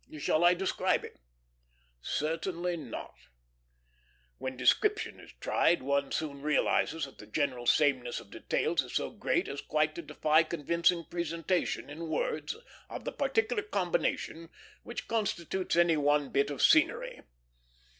Shall I describe it? Certainly not. When description is tried, one soon realizes that the general sameness of details is so great as quite to defy convincing presentation, in words, of the particular combination which constitutes any one bit of scenery.